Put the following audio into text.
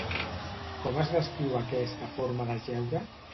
Com es descriu aquesta forma d'ajeure?